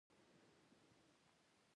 مصباح الحق یو تجربه لرونکی لوبغاړی وو.